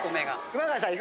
熊谷さん